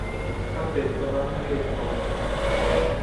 Ha detto mamma che è pronto